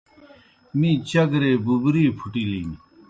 می چگرے بُبری پُھٹِلِن۔